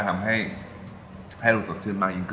ทำให้เราสดชื่นมากยิ่งขึ้น